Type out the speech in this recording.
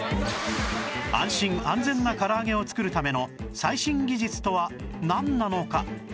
安心・安全なから揚げを作るための最新技術とはなんなのか？